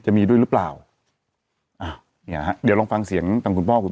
จะมีด้วยหรือเปล่าอ่ะเนี่ยฮะเดี๋ยวลองฟังเสียงทางคุณพ่อคุณ